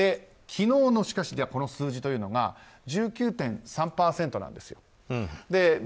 昨日の数字というのが１９．３％なんですよ。